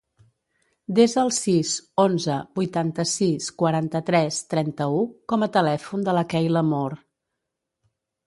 Desa el sis, onze, vuitanta-sis, quaranta-tres, trenta-u com a telèfon de la Keyla Moore.